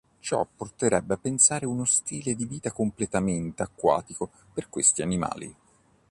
Ciò porterebbe a pensare uno stile di vita completamente acquatico per questi animali.